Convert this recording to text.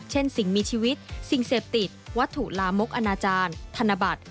สิ่งมีชีวิตสิ่งเสพติดวัตถุลามกอนาจารย์ธนบัตร